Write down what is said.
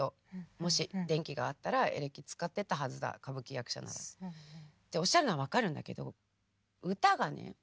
「もし電気があったらエレキ使ってたはずだ歌舞伎役者なら」。っておっしゃるのは分かるんだけど歌がね